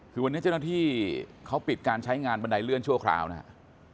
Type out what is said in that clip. คือวันนี้เจ้าหน้าที่เขาปิดการใช้งานบันไดเลื่อนชั่วคราวนะครับ